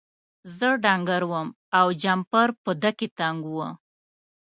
زه ډنګر وم او جمپر په ده کې تنګ و.